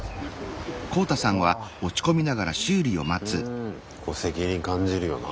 うんこれ責任感じるよな。